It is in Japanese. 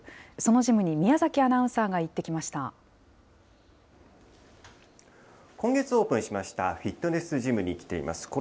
そのジムに宮崎アナウンサーが行今月オープンしました、フィットネスジムに来ています。